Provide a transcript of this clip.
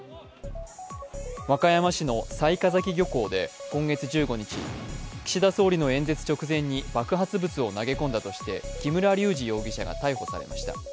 和歌山市の雑賀崎漁港で今月１５日、岸田総理の演説直前に爆発物を投げ込んだとして木村隆二容疑者が逮捕されました。